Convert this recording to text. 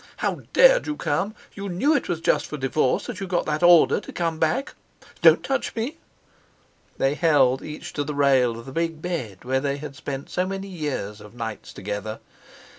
"How dared you come? You knew it was just for divorce that you got that order to come back. Don't touch me!" They held each to the rail of the big bed where they had spent so many years of nights together.